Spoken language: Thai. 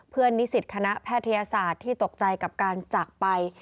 นิสิตคณะแพทยศาสตร์ที่ตกใจกับการจากไป